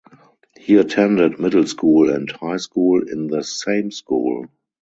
He attended middle school and high school in the same school.